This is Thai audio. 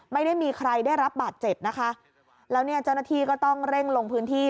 ไม่มีใครได้รับบาดเจ็บนะคะแล้วเนี่ยเจ้าหน้าที่ก็ต้องเร่งลงพื้นที่